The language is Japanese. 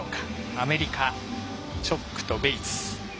アメリカ、チョックとベイツ。